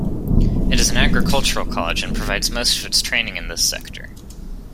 It is an agricultural college and provides most of its training in this sector.